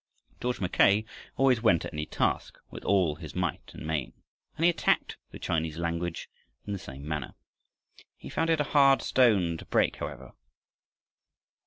George Mackay always went at any task with all his might and main, and he attacked the Chinese language in the same manner. He found it a hard stone to break, however.